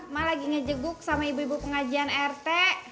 malah lagi ngejeguk sama ibu ibu pengajian rt